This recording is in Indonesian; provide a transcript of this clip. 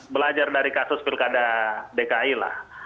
belajar dari kasus pilkada dki lah